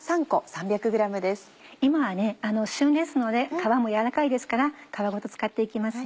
今は旬ですので皮も柔らかいですから皮ごと使って行きますね。